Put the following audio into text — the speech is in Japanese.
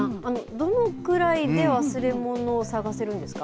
どのくらいで忘れ物を探せるんですか？